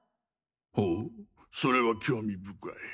ほおそれは興味深い。